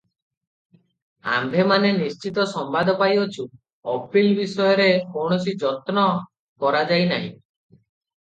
ଆମ୍ଭେମାନେ ନିଶ୍ଚିତ ସମ୍ବାଦ ପାଇଅଛୁ, ଅପିଲ୍ ବିଷୟରେ କୌଣସି ଯତ୍ନ କରାଯାଇନାହିଁ ।